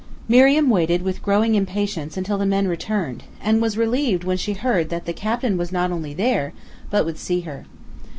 Miriam waited with growing impatience until the man returned, and was relieved when she heard that the captain was not only there, but would see her.